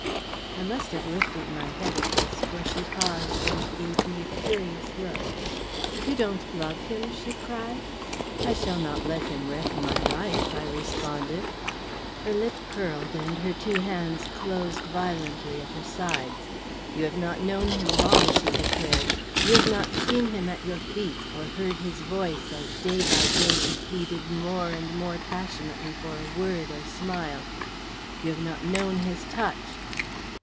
I must have lifted my head at this, for she paused and gave me a curious look. "You don't love him?" she cried. "I shall not let him wreck my life," I responded. Her lip curled and her two hands closed violently at her sides. "You have not known him long," she declared. "You have not seen him at your feet, or heard his voice, as day by day he pleaded more and more passionately for a word or smile? You have not known his touch!"